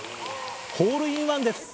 ホールインワンです。